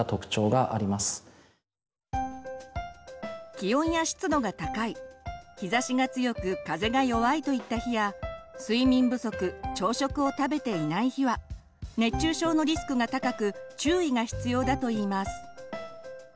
気温や湿度が高い日ざしが強く風が弱いといった日や睡眠不足朝食を食べていない日は熱中症のリスクが高く注意が必要だといいます。